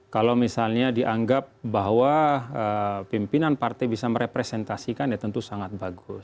kalau misalnya dianggap bahwa pimpinan partai bisa merepresentasikan ya tentu sangat bagus